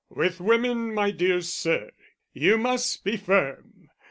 "With women, my dear sir, you must be firm.